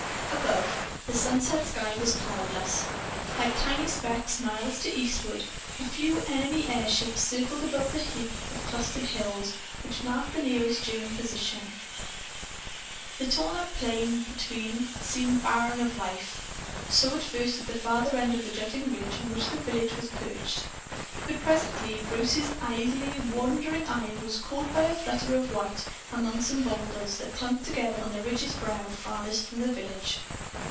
Above, the sunset sky was cloudless. Like tiny specks, miles to eastward, a few enemy airships circled above the heap of clustered hills which marked the nearest German position. The torn up plain, between, seemed barren of life. So, at first, did the farther end of the jutting ridge on which the village was perched. But presently Bruce's idly wandering eye was caught by a flutter of white among some boulders that clumped together on the ridge's brow farthest from the village.